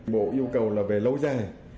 bộ yêu cầu là về lâu dài